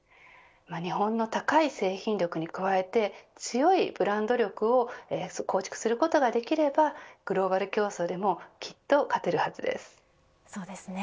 日本の高い製品力に加えて強いブランド力を構築することができればグローバル競争でもきっと勝てるはずです。